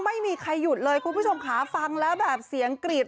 ไม่มีใครหยุดเลยคุณผู้ชมค่ะฟังแล้วแบบเสียงกรีด